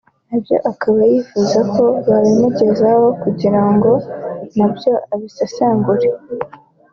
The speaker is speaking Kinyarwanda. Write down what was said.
nabyo akaba yifuza ko babimugezaho kugira ngo nabyo abisesengure